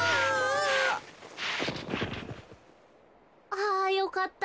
あよかった。